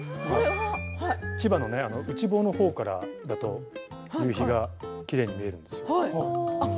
千葉の内房のほうから見ると夕日がきれいに見えるんですよ。